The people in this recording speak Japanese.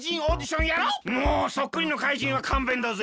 もうそっくりの怪人はかんべんだぜ。